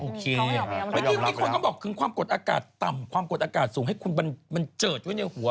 เมื่อกี้มีคนก็บอกถึงความกดอากาศต่ำความกดอากาศสูงให้คุณบันเจิดไว้ในหัว